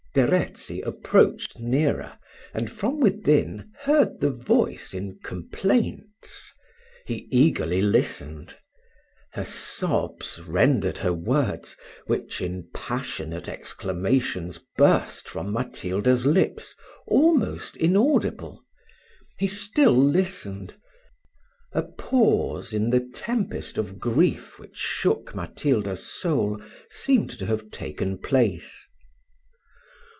Verezzi approached nearer, and from within heard her voice in complaints. He eagerly listened. Her sobs rendered the words, which in passionate exclamations burst from Matilda's lips, almost inaudible. He still listened a pause in the tempest of grief which shook Matilda's soul seemed to have taken place.